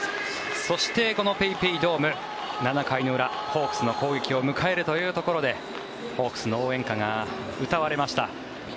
そして、このＰａｙＰａｙドーム７回の裏ホークスの攻撃を迎えるというところでホークスの応援歌が歌われました。